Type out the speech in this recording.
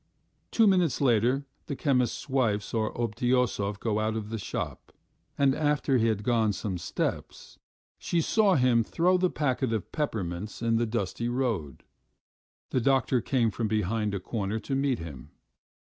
Two minutes later the chemist's wife saw Obtyosov go out of the shop, and, after he had gone some steps, she saw him throw the packet of peppermints on the dusty road. The doctor came from behind a corner to meet him.